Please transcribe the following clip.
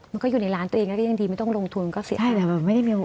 มันก็อยู่ในร้านตัวเองนะก็ยังดีไม่ต้องลงทุนก็เสียใช่แต่มันไม่ได้มี